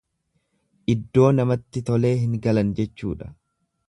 lddoo namatti tolee hin galan jechuudha.